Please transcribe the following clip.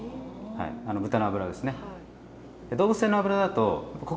豚の脂ですね。